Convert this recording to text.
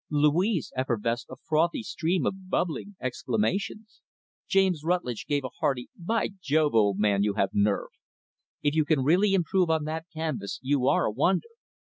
Louise effervesced a frothy stream of bubbling exclamations. James Rutlidge gave a hearty, "By Jove, old man, you have nerve! If you can really improve on that canvas, you are a wonder."